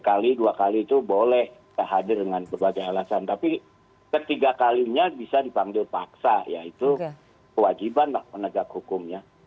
kali dua kali itu boleh hadir dengan berbagai alasan tapi ketiga kalinya bisa dipanggil paksa yaitu kewajiban menegak hukumnya